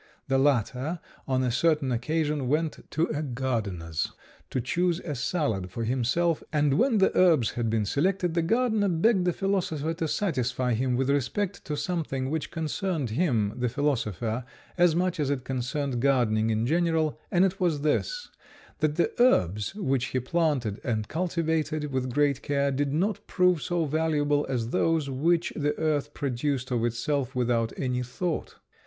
The latter on a certain occasion went to a gardener's to choose a salad for himself; and when the herbs had been selected, the gardener begged the philosopher to satisfy him with respect to something which concerned him, the philosopher, as much as it concerned gardening in general, and it was this: that the herbs which he planted and cultivated with great care did not prove so valuable as those which the earth produced of itself without any thought.